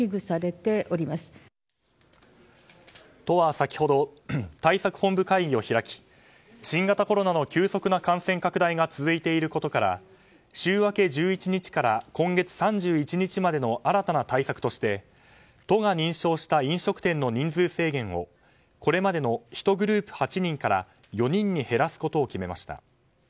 都は先ほど対策本部会議を開き新型コロナの急速な感染拡大が続いていることから週明け１１日から今月３１日までの新たな対策として都が認証した飲食店の人数制限をこれまでの１グループ８人から４人に減らすことを決めました。